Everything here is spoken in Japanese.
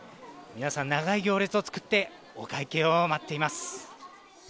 皆さん長い行列を作ってお会計を待っています。